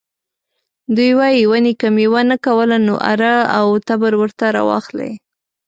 دوی وايي ونې که میوه نه کوله نو اره او تبر ورته راواخلئ.